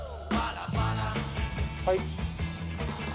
はい。